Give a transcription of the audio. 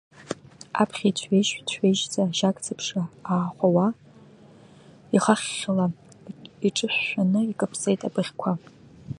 Аԥхьа ицәҩеижь-цәҩеижьӡа ажьакца ԥшра аахәауа, ихахьхьала иҿышәшәаны икаԥсеит абыӷьқәа.